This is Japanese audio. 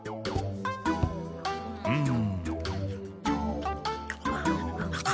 うん。